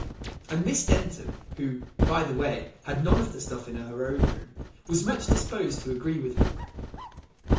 And Miss Denton who, by the way, had none of the stuff in her own room was much disposed to agree with him.